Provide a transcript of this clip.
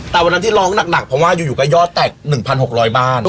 แต่วันนั้นที่ร้องหนักเพราะว่าอยู่ก็ยอดแตก๑๖๐๐บ้าน